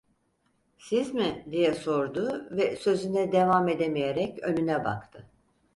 "Siz mi?" diye sordu ve sözüne devam edemeyerek önüne baktı.